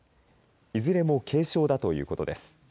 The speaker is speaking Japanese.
いずれも軽傷だということです。